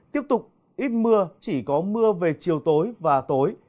tiếp tục ít mưa chỉ có mưa về chiều tối và tối